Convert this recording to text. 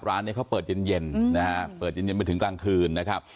ร้านนี้เขาเปิดเย็นนะฮะเปิดเย็นไปถึงกลางคืนนะครับ